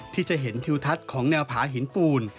ที่จะเห็นทิวทัศน์ของแนวผาหินปูน